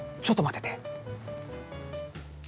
ちょっと待ってて。